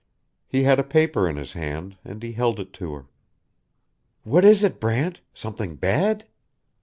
He had a paper in his hand, and he held it to her. "What is it, Brant? Something bad?"